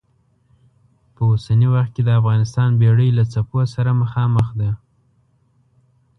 په اوسني وخت کې د افغانستان بېړۍ له څپو سره مخامخ ده.